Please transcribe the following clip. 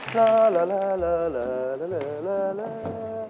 เฮ่ย